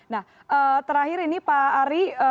nah terakhir ini pak ari